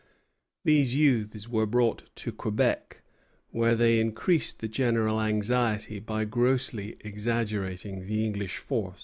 These youths were brought to Quebec, where they increased the general anxiety by grossly exaggerating the English force.